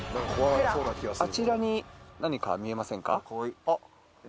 あちらに何か見えませんか？